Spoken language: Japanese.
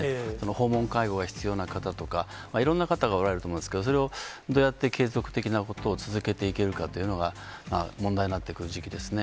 訪問介護が必要な方とか、いろんな方がおられると思うんですけど、それをどうやって継続的なことを続けていけるかというのが、問題になってくる時期ですね。